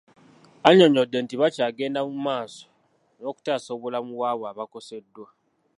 Annyonnyodde nti bakyagenda mu maaso n'okutaasa obulamu bw'abo abakoseddwa.